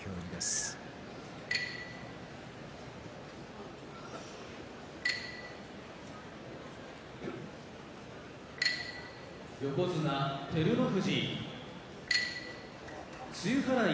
柝きの音横綱照ノ富士露払い